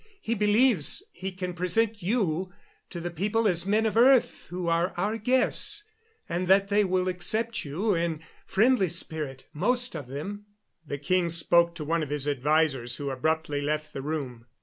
"He believes he can present you to the people as men of earth who are our guests, and that they will accept you in friendly spirit, most of them." The king spoke to one of his advisers, who abruptly left the room.